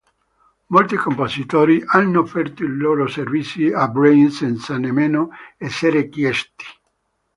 Molti compositori hanno offerto i loro servizi a Brain senza nemmeno essere chiesti.